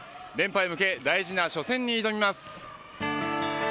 連覇へ向け大事な初戦に挑みます。